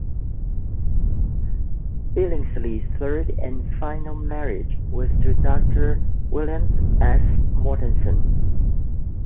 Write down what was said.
Billingsley's third and final marriage was to Doctor William S. Mortensen.